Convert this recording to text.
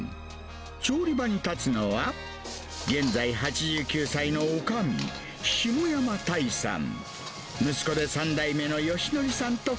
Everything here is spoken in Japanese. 調理場に立つのは、現在８９歳のおかみ、下山タイさん。